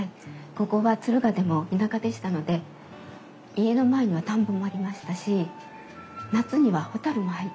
ここは敦賀でも田舎でしたので家の前には田んぼもありましたし夏には蛍も入ってきたんです。